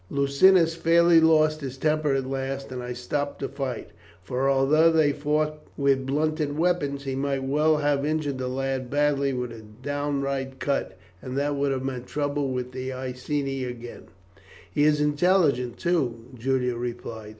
Lucinus fairly lost his temper at last, and I stopped the fight, for although they fought with blunted weapons, he might well have injured the lad badly with a downright cut, and that would have meant trouble with the Iceni again." "He is intelligent, too," Julia replied.